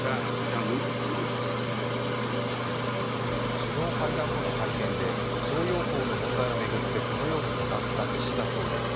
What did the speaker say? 首脳会談後の会見で徴用工の問題を巡ってこのように語った岸田総理。